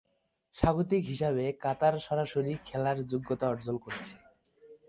স্বাগতিক হিসাবে কাতার সরাসরি খেলার যোগ্যতা অর্জন করেছে।